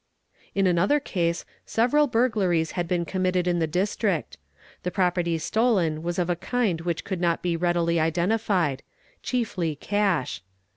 _ In another case several burglaries had been committed in the district. The property stolen was of a kind which could not be readily identified— thiefly cash.